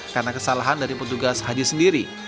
karena kesalahan dari petugas haji sendiri